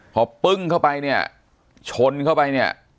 พอปึ้งเข้าไปชนเข้าไป